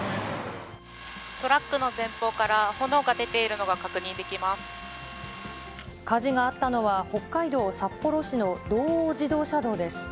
トラックの前方から炎が出て火事があったのは、北海道札幌市の道央自動車道です。